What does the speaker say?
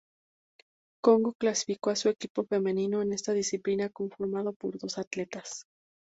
Congo clasificó a su equipo femenino en esta disciplina, conformado por dos atletas.